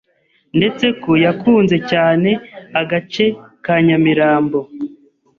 ndetse ko yakunze cyane agace ka Nyamirambo.